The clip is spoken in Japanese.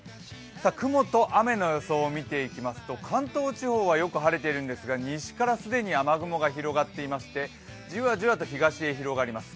雲と雨の予想を見ていきますと、関東地方はよく晴れているんですが西から既に雨雲が広がっていまして、じわじわと東へ広がります。